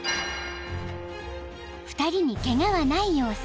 ［２人にケガはない様子］